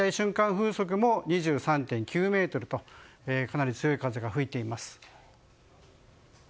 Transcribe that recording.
風速も２３．９メートルとかなり強い風が吹いています。